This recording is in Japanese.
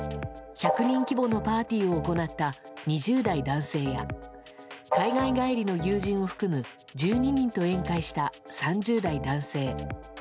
１００人規模のパーティーを行った２０代男性や海外帰りの友人を含む１２人と宴会した３０代男性。